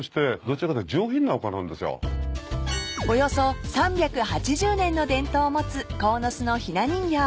［およそ３８０年の伝統を持つ鴻巣のひな人形］